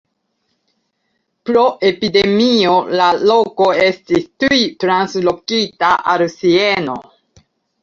Pro epidemio la loko estis tuj translokita al Sieno.